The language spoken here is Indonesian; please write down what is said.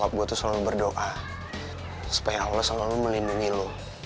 aku tuh selalu berdoa supaya allah selalu melindungi lo